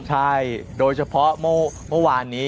ใช่โดยเฉพาะเมื่อวานนี้